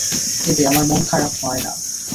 এতে আমার মন খারাপ হয় না।